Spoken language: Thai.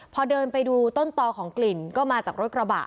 พอเดินไปดูต้นตอของกลิ่นก็มาจากรถกระบะ